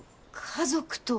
家族と。